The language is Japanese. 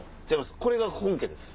これが本家です。